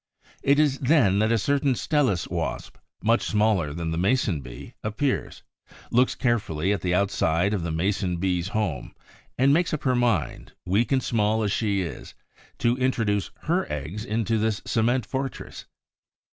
It is then that a certain Stelis wasp, much smaller than the Mason bee, appears, looks carefully at the outside of the Mason bee's home, and makes up her mind, weak and small as she is, to introduce her eggs into this cement fortress.